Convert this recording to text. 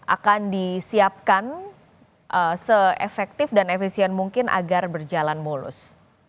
akan disiapkan se efektif dan efisien mungkin agar berjalan mulus